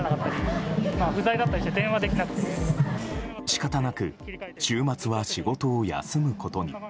仕方なく週末は仕事を休むことに。